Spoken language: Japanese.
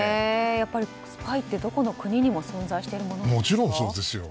やっぱりスパイってどこの国にも存在しているものなんですか？